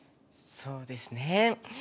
そうですね。